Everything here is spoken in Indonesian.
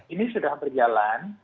ini sudah berjalan